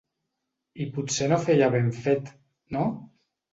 I potser no feia ben fet, no?